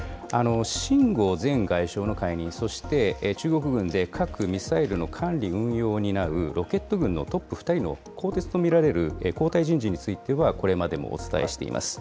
秦剛前外相の解任、そして中国軍で核・ミサイルの管理・運用を担うロケット軍のトップ２人の更迭と見られる交代人事についてはこれまでもお伝えしています。